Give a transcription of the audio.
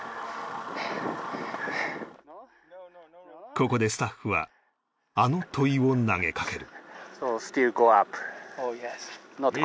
ここでスタッフはあの問いを投げかける